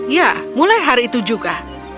ya mulai hari itu juga